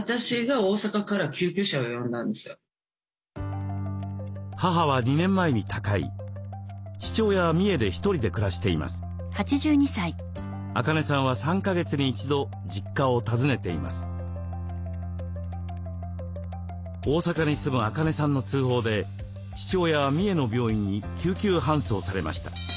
大阪に住むアカネさんの通報で父親は三重の病院に救急搬送されました。